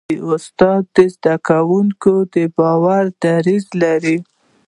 استاد د زده کوونکي د باور دریځ لري.